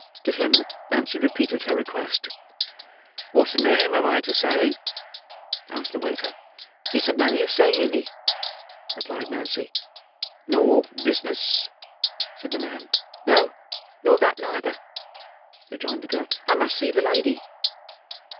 To him, Nancy repeated her request. "What name am I to say?" asked the waiter. "It's of no use saying any," replied Nancy. "Nor business?" said the man. "No, nor that neither," rejoined the girl. "I must see the lady."